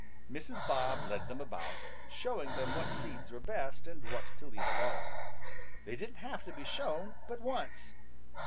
Mrs. Bob led them about, showing them what seeds were best and what to leave alone. They didn't have to be shown but once.